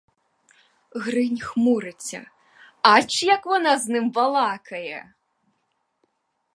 Гринь хмуриться: ач як вона з ним балакає!